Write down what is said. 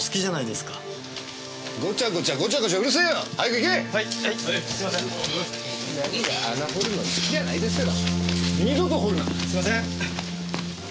すいません。